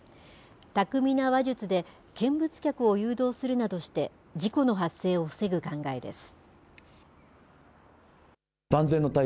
巧みな話術で見物客を誘導するなどして、事故の発生を防ぐ考えです。